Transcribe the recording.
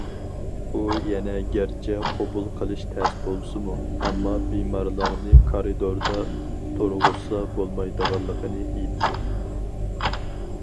ئۇ يەنە گەرچە قوبۇل قىلىش تەس بولسىمۇ، ئەمما بىمارلارنى كارىدوردا تۇرغۇزسا بولمايدىغانلىقىنى ئېيتتى.